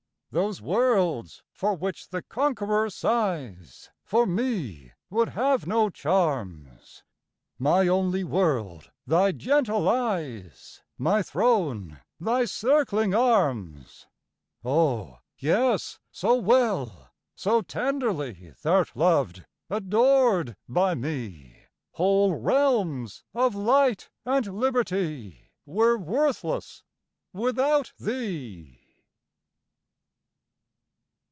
Those worlds for which the conqueror sighs For me would have no charms; My only world thy gentle eyes My throne thy circling arms! Oh, yes, so well, so tenderly Thou'rt loved, adored by me, Whole realms of light and liberty Were worthless without thee.